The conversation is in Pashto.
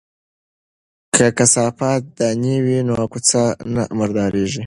که کثافات دانی وي نو کوڅه نه مرداریږي.